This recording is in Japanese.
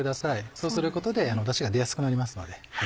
そうすることでダシが出やすくなりますので。